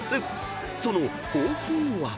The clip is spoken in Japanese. ［その方法は］